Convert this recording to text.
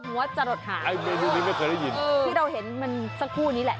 อะไรนะอือบางที่เราเห็นมันสักคู่นี้แหละ